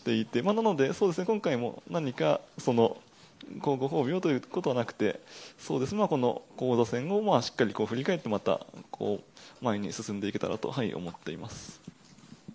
なので、そうですね、今回も何か、ご褒美をということはなくて、この王座戦をしっかり振り返って、また前に進んでいけたらと思っています。